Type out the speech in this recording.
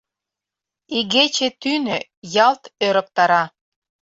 Игече тӱнӧ ялт ӧрыктара: